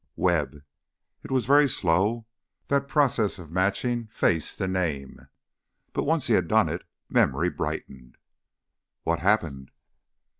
"Webb...." It was very slow, that process of matching face to name. But once he had done it, memory brightened. "What happened